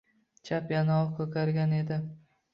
Chap yonog‘i ko‘kargan edi.